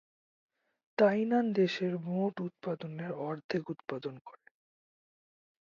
তাইনান দেশের মোট উৎপাদনের অর্ধেক উৎপাদন করে।